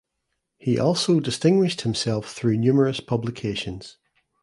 He also distinguished himself through numerous publications.